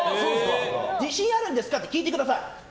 自信あるんですかって聞いてください。